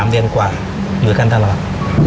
๓เดือนกว่าอยู่กันตลอด